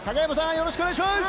よろしくお願いします！